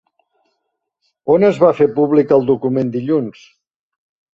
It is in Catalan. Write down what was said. On es va fer públic el document dilluns?